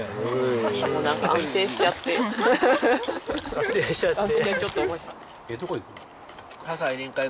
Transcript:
安定しちゃって。